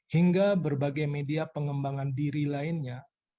hingga berbagai media pengembangan diri lainnya